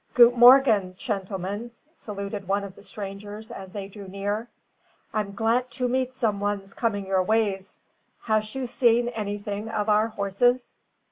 "Goot morgen, shentlemens!" saluted one of the strangers as they drew near. "I'm glat to meet some ones coming your ways. Hash you seen anything of our horses?"